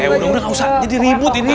udah udah ustaz jadi ribut ini